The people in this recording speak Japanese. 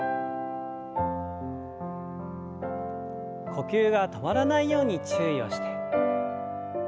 呼吸が止まらないように注意をして。